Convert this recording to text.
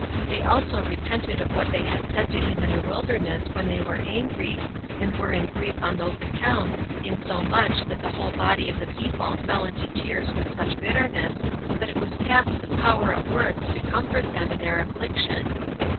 They also repented of what they had said to him in the wilderness when they were angry, and were in grief on those accounts, insomuch that the whole body of the people fell into tears with such bitterness, that it was past the power of words to comfort them in their affliction.